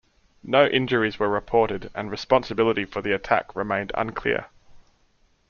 No injuries were reported and responsibility for the attack remained unclear.